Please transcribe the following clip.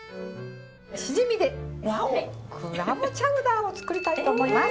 しじみでクラムチャウダーを作りたいと思います。